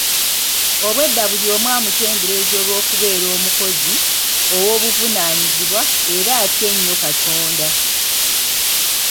Obwedda buli omu amutendereza olw'okubeera omukozi, ow'obuvunaanyizibwa era atya ennyo Katonda.